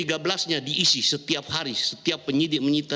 apa yang diisi setiap hari setiap penyidik menyita